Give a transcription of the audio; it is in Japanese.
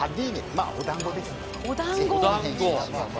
まあ、お団子ですね。